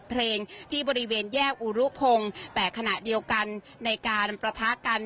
ผงแต่ขณะเดียวกันในการประทะกัน